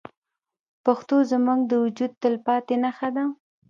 پښتو زموږ د وجود تلپاتې نښه ده.